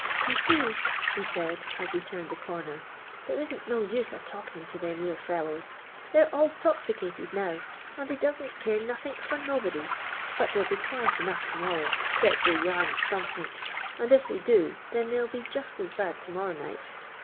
*' You see," he said, as we turned the corner, '• there isn't no use\i talkin' to them ere fellows — th'.'v 're all tosticated ni»w, and they doeim't care nothirjk for nobody ; but they 'Jl be quiet enouph tomorrow, 'cept they yarns somethink, and if they do ih'Mi they 'II be just as bad to morrow night.